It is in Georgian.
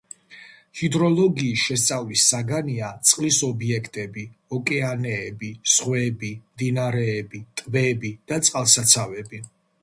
ჰიდროლოგიის შესწავლის საგანია წყლის ობიექტები: ოკეანეები, ზღვები, მდინარეები, ტბები და წყალსაცავები.